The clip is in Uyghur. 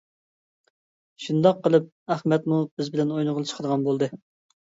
شۇنداق قىلىپ، ئەخمەتمۇ بىز بىلەن ئوينىغىلى چىقىدىغان بولدى.